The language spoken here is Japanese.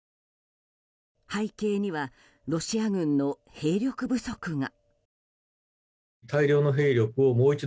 背景にはロシア軍の兵力不足が。